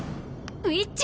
ウィッチ！